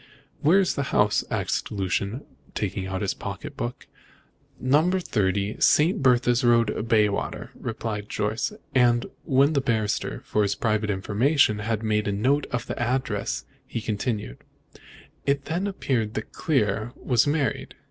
"Where is the house?" asked Lucian, taking out his pocketbook. "Number 30, St. Bertha's Road, Bayswater," replied Jorce; and when the barrister, for his private information, had made a note of the address, he continued: "It then appeared that Clear was married.